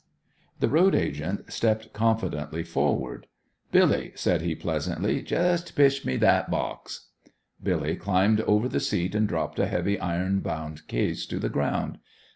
The road agent stepped confidently forward. "Billy," said he, pleasantly, "jest pitch me that box." Billy climbed over the seat and dropped a heavy, iron bound case to the ground.